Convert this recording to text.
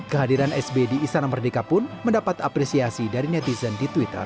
kehadiran sb di istana merdeka pun mendapat apresiasi dari netizen di twitter